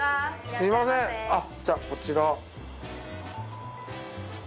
すみませんじゃあこちら。